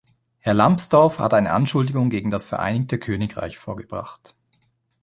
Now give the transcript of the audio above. Herr Lambsdorff hat eine Anschuldigung gegen das Vereinigte Königreich vorgebracht.